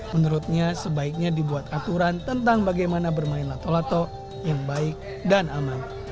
menurutnya sebaiknya dibuat aturan tentang bagaimana bermain lato lato yang baik dan aman